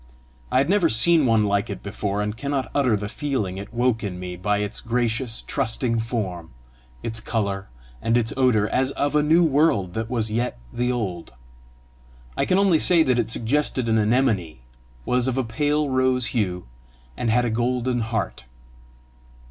I had never seen one like it before, and cannot utter the feeling it woke in me by its gracious, trusting form, its colour, and its odour as of a new world that was yet the old. I can only say that it suggested an anemone, was of a pale rose hue, and had a golden heart.